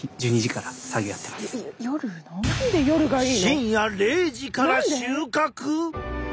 深夜０時から収穫！？